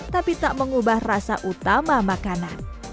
tapi tak mengubah rasa utama makanan